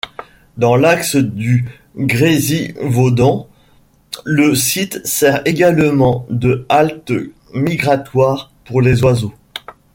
Dans l'axe du Grésivaudan, le site sert également de halte migratoire pour les oiseaux.